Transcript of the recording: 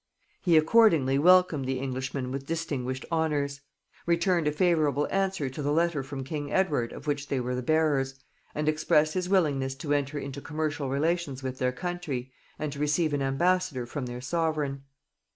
He accordingly welcomed the Englishmen with distinguished honors; returned a favorable answer to the letter from king Edward of which they were the bearers, and expressed his willingness to enter into commercial relations with their country, and to receive an ambassador from their sovereign.